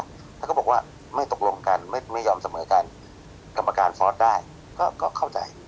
แล้วก็บอกว่าไม่ตกลงกันไม่ยอมเสมอกันกรรมการฟอสได้ก็เข้าใจ